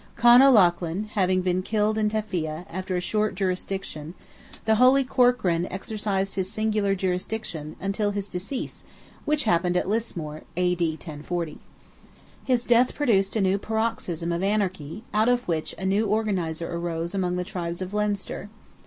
Con O'Lochan having been killed in Teffia, after a short jurisdiction, the holy Corcran exercised his singular jurisdiction, until his decease, which happened at Lismore, (A.D. 1040.) His death produced a new paroxysm of anarchy, out of which a new organizer arose among the tribes of Leinster.